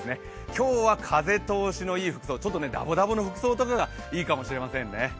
今日は風通しのいい服装、だぼだぼの服装とかがいいかもしれませんね。